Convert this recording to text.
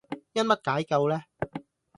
因乜解救呢